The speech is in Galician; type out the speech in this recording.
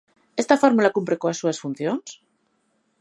Esta fórmula cumpre coas súas funcións?